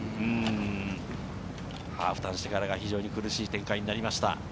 ハーフターンしてから苦しい展開になりました。